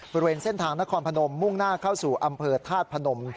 บริเวณเส้นทางนครพนมมุ่งหน้าเข้าสู่อำเภอธาตุพนม